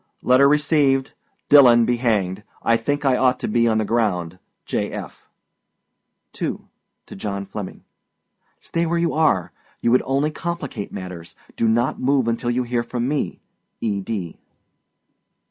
Letter received. Dillon be hanged. I think I ought to be on the ground. J. F. 2. TO JOHN FLEMMING. Stay where you are. You would only complicated matters. Do not move until you hear from me. E. D.